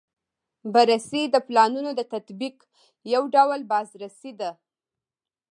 بررسي د پلانونو د تطبیق یو ډول بازرسي ده.